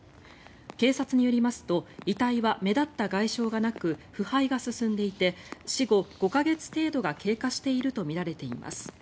警察によりますと遺体は目立った外傷がなく腐敗が進んでいて死後５か月程度が経過しているとみられています。